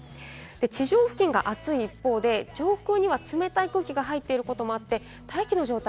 地上付近が暑い一方で、上空には冷たい空気が入っていることもあって大気の状態